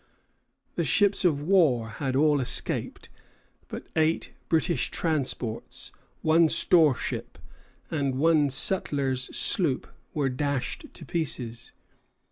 The ships of war had all escaped; but eight British transports, one store ship, and one sutler's sloop were dashed to pieces.